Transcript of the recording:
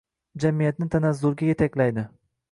Jamiyatni tanazzulga yetaklaydi!